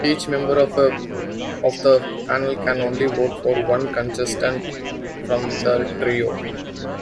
Each member of the panel can only vote for one contestant from the trio.